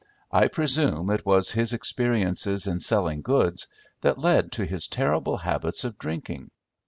I presume it was his experiences in selling goods that led to his terrible habits of drinking.